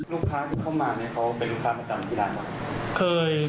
ลูกค้าที่เข้ามาเขาเป็นลูกค้าประจำที่ร้านหรือเปล่า